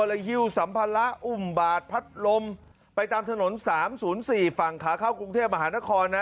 หิ้วสัมภาระอุ้มบาดพัดลมไปตามถนน๓๐๔ฝั่งขาเข้ากรุงเทพมหานครนะ